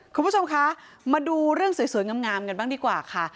คุณผู้ชมคะมาดูเรื่องสวยงามกันบ้างดีกว่าค่ะ